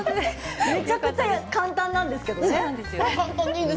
めちゃくちゃ簡単なんですけどね。